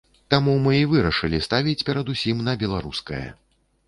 Таму мы і вырашылі ставіць перадусім на беларускае.